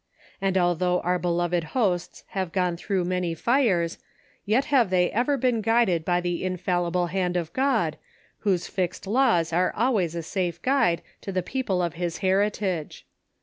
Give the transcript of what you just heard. And although our beloved hosts have gone through many fires, yet have they ever been guided by the infallible hand of God, whose fixed laws are always a safe guide to the people of His heritage.